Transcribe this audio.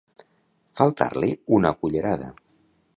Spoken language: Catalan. Faltar-li una cullerada.